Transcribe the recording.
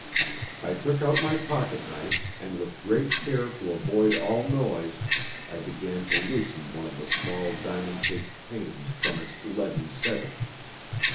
I took out my pocket knife, and with great care to avoid all noise I began to loosen one of the small diamond shaped panes from its leaden setting.